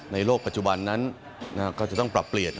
โลกปัจจุบันนั้นก็จะต้องปรับเปลี่ยน